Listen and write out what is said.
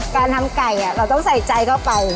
การทำไก่เราต้องใส่ใจเข้าไป